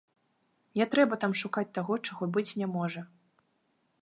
Не трэба там шукаць таго, чаго быць не можа.